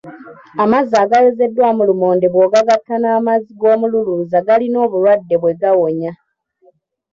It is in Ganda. Amazzi agayozeddwamu lumonde bw’ogagatta n’amazzi g’omululuuza galina obulwadde bwe gawonya.